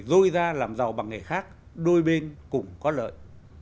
dôi ra làm giàu bằng nghề khác đôi bên cũng có lợi